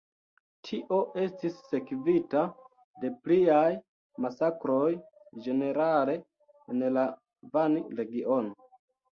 Tio estis sekvita de pliaj masakroj ĝenerale en la Van-regiono.